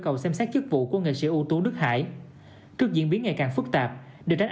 cầu xem xét chức vụ của nghệ sĩ ưu tú đức hải trước diễn biến ngày càng phức tạp để tránh